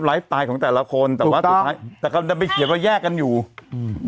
ไลฟ์ตายของแต่ละคนถูกต้องแต่ว่าจะไปเขียนว่าแยกกันอยู่อืม